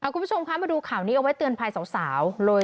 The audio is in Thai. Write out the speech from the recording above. คุณผู้ชมคะมาดูข่าวนี้เอาไว้เตือนภัยสาว